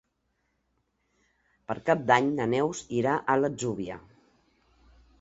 Per Cap d'Any na Neus irà a l'Atzúbia.